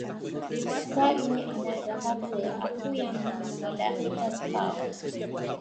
Kau ni anak derhaka, aku yang lahirkan kau.